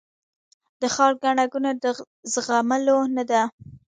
د ښار ګڼه ګوڼه د زغملو نه ده